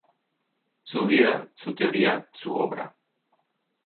Su vida, su teoría, su obra".